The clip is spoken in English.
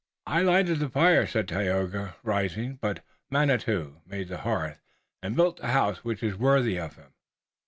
"I lighted the fire," said Tayoga, rising, "but Manitou made the hearth, and built the house which is worthy of Him."